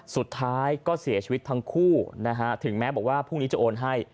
สุดท้ายก็เสียชีวิตทั้งคู่นะฮะถึงแม้บอกว่าพรุ่งนี้จะโอนให้